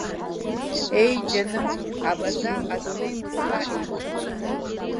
Ееи, џьаным, абаза, адунеи мыцла еибаркуп.